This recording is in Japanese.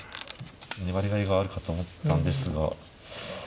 粘りがいがあるかと思ったんですが。